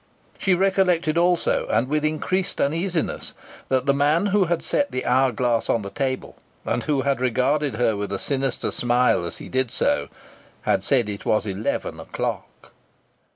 She recollected also, and with increased uneasiness, that the man who had set the hourglass on the table, and who had regarded her with a sinister smile as he did so, had said it was eleven o'clock!